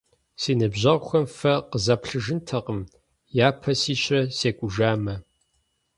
Си ныбжьэгъухэм фэ къызаплъыжынтэкъым, япэ сищрэ секӀужамэ.